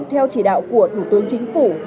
theo chỉ đạo của thủ tướng chính phủ